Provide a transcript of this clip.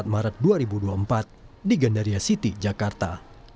empat maret dua ribu dua puluh empat di gandaria city jakarta